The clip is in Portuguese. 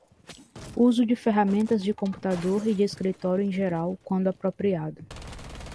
Uso de ferramentas de computador e de escritório em geral, quando apropriado.